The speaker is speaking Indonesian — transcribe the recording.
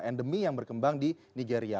endemi yang berkembang di nigeria